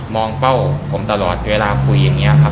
เป้าผมตลอดเวลาคุยอย่างนี้ครับ